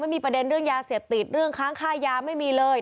ไม่มีประเด็นเรื่องยาเสพติดเรื่องค้างค่ายาไม่มีเลย